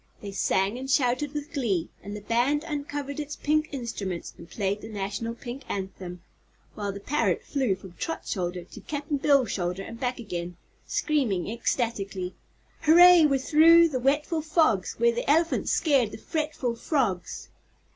They sang and shouted with glee and the Band uncovered its pink instruments and played the National Pink Anthem, while the parrot flew from Trot's shoulder to Cap'n Bill's shoulder and back again, screaming ecstatically: "Hooray! we're through the wetful fogs Where the elephant scared the fretful frogs!"